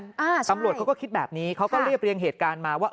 อ่าตำรวจเขาก็คิดแบบนี้เขาก็เรียบเรียงเหตุการณ์มาว่า